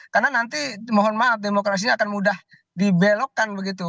karena nanti mohon maaf demokrasinya akan mudah dibelokkan begitu